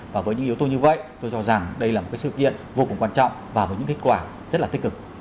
và với những yếu tố như vậy tôi cho rằng đây là một sự kiện vô cùng quan trọng và với những kết quả rất là tích cực